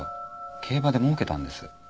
競馬でもうけたんです。